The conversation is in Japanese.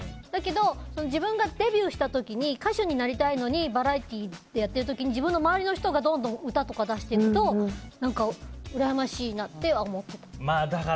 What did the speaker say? だけど、自分がデビューした時に歌手になりたいのにバラエティーやっている時に自分の周りの人がどんどん歌とか出していくと何かうらやましいなとは思ってた。